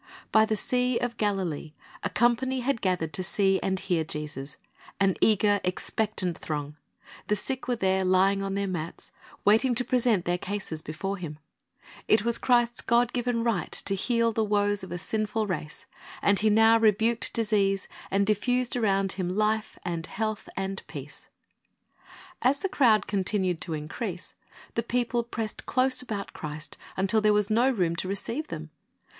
By the Sea of Galilee a company had gathered to see and hear Jesus, — an eager, expectant throng. The sick were there, lying on their mats, waiting to present their 3 Based on Matt. 13 : 1 9, 18 23; Mark 4 : 1 20 ; Luke 8: 4 15 (33) 34 Clirist's Object Lessons cases before Him. It was Christ's God given right to heal the woes of a sinful race, and He now rebuked disease, and diffused around Him life and health and peace. As the crowd continued to increase, the people pressed close about Christ until there was no room to receive them.